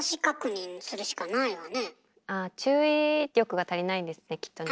あ注意力が足りないんですねきっとね。